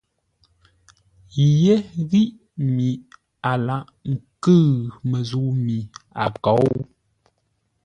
Yé ghíʼ mi a laghʼ ńkʉ̂ʉ məzə̂u mi a kôu.